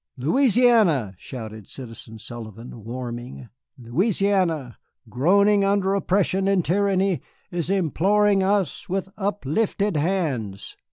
"Louisiana!" shouted Citizen Sullivan, warming, "Louisiana, groaning under oppression and tyranny, is imploring us with uplifted hands.